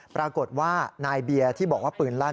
ปรากฏว่านายเบียร์ที่บอกว่าปืนลั่น